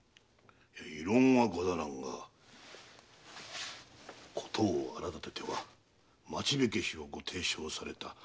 異論はござらんが事を荒だてては町火消しをご提唱された御身もただでは。